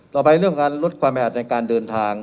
ต่อไปเรื่องของการลดความแอดในการเดินทาง